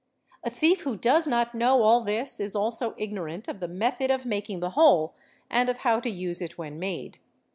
a thief who does not know all this is also ignorant of the method of making the hole, and of how to use it when made.